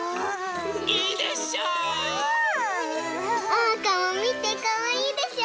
おうかもみてかわいいでしょ？